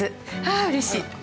あ、うれしい。